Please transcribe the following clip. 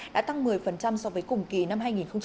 đã tăng một mươi so với cùng kỳ năm hai nghìn hai mươi hai